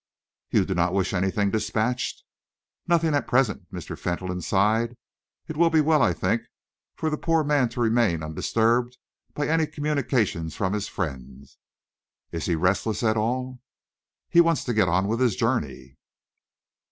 "You do not wish anything dispatched?" "Nothing at present," Mr. Fentolin sighed. "It will be well, I think, for the poor man to remain undisturbed by any communications from his friends. Is he restless at all?" "He wants to get on with his journey."